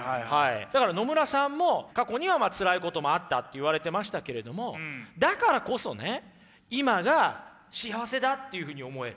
だから野村さんも過去にはつらいこともあったって言われてましたけれどもだからこそね今が幸せだっていうふうに思える。